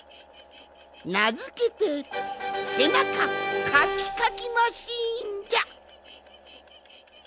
なづけて「せなかカキカキマシーン」じゃ！